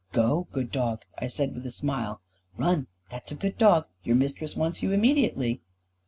"Go, good dog," I said with a smile, "run, that's a good dog, your Mistress wants you immediately."